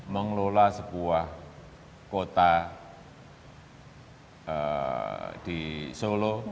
mengelola sebuah kota di solo